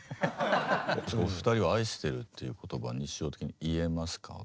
お二人は「愛してる」っていう言葉日常的に言えますか？